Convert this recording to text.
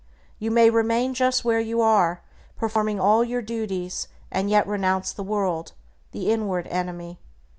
You may remain just where you are, performing all your duties, and yet renounce the world, the inward enemy.